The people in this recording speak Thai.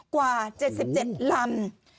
กว่า๗๗ลำ